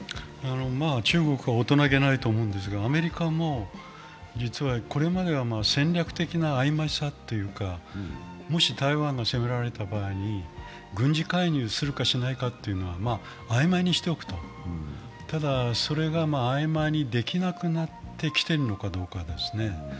中国は大人げないと思うんですが、アメリカも実はこれまでは戦略的な曖昧さというか、もし、台湾が攻められた場合に軍事介入するかしかないかというのは曖昧にしておくと、ただ、それが曖昧にできなくなってきているのかですね。